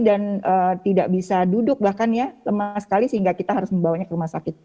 tidak bisa duduk bahkan ya lemah sekali sehingga kita harus membawanya ke rumah sakit